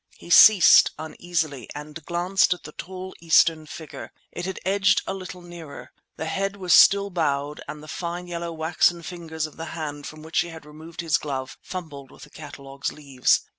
He ceased uneasily, and glanced at the tall Eastern figure. It had edged a little nearer; the head was still bowed and the fine yellow waxen fingers of the hand from which he had removed his glove fumbled with the catalogue's leaves.